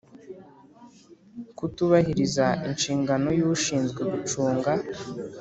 Kutubahiriza inshingano y ushinzwe gucunga